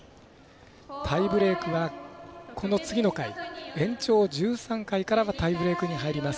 タイブレークは、この次の回延長１３回からはタイブレークに入ります。